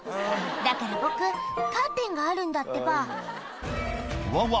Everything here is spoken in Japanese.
だからボクカーテンがあるんだってばうわうわ